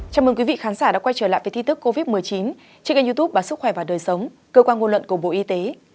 chào mừng quý vị khán giả đã quay trở lại với tin tức covid một mươi chín trên kênh youtube báo sức khỏe và đời sống cơ quan ngôn luận của bộ y tế